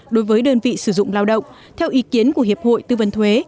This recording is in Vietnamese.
đối với đơn vị sử dụng lao động theo ý kiến của hiệp hội tư vấn thuế